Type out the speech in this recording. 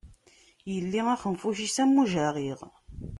Illi axenfuc-is am ujaɣiɣ.